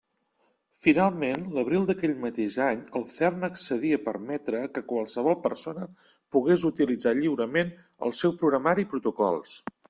Finalment, l'abril d'aquell mateix any, el CERN accedí a permetre que qualsevol persona pogués utilitzar lliurement el seu programari i protocols.